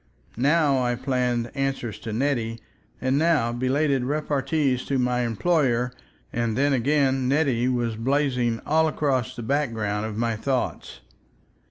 Now I planned answers to Nettie and now belated repartees to my employer, and then again "Nettie" was blazing all across the background of my thoughts.